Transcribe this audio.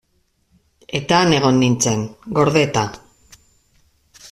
Eta han egon nintzen, gordeta.